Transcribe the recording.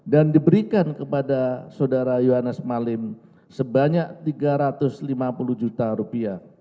dan diberikan kepada saudara yohanes marlim sebanyak rp tiga ratus lima puluh